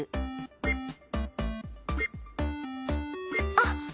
あっ！